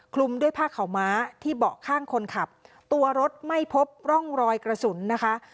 คลุมด้วยผ้าขาวม้าที่เบาะข้างคนขับตัวรถไม่พบร่องรอยกระสุนนะคะ